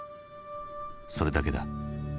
それだけだ。